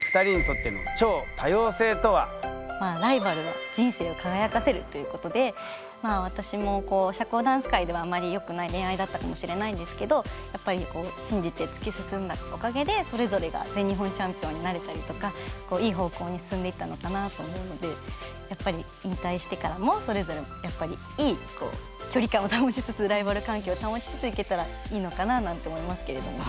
ライバルは人生を輝かせるということで私も社交ダンス界ではあんまりよくない恋愛だったかもしれないんですけどやっぱり信じて突き進んだおかげでそれぞれが全日本チャンピオンになれたりとかいい方向に進んでいったのかなと思うので引退してからもそれぞれやっぱりいい距離感を保ちつつライバル関係を保ちつついけたらいいのかななんて思いますけれども。